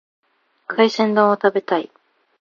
海鮮丼を食べたい。